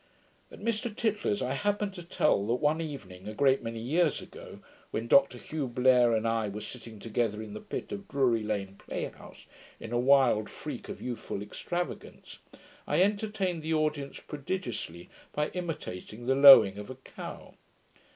At Mr Tytler's, I happened to tell that one evening, a great many years ago, when Dr Hugh Blair and I were sitting together in the pit of Drury lane play house, in a wild freak of youthful extravagance, I entertained the audience PRODIGIOUSLY, by imitating the lowing of a cow.